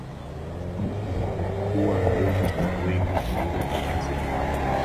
kama ilivyokuwa ngumu kwa wenger kuondoka arsenal